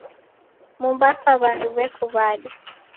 Mombasa w'andu weko w'ada?